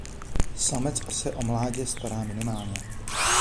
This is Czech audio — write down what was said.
Samec se o mládě stará minimálně.